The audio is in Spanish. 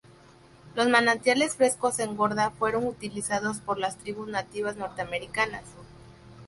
Los manantiales frescos en Gorda fueron utilizados por las tribus nativas norteamericanas.